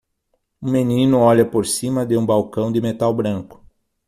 Um menino olha por cima de um balcão de metal branco.